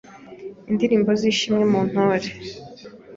Indirimbo z’ishimwe mu ntore